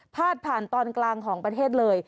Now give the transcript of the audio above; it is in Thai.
พาดผ่านตอนกลางของประเทศเลย